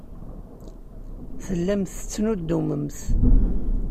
Tellamt tettnuddumemt.